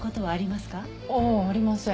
ああありません。